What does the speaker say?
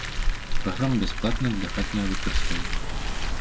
Праграма бясплатная для хатняга выкарыстання.